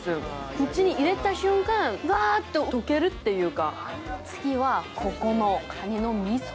口に入れた瞬間、バァッと溶けるというか。